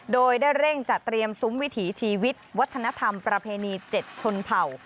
โดยได้เร่งจัดเตรียมซุ้มวิถีชีวิตวัฒนธรรมประเพณี๗ชนเผ่า